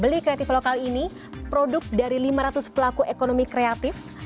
beli kreatif lokal ini produk dari lima ratus pelaku ekonomi kreatif